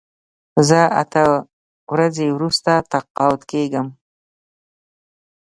زه اته ورځې وروسته تقاعد کېږم.